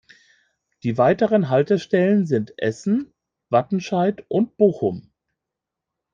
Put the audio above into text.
Die weiteren Haltestellen sind Essen, Wattenscheid und Bochum.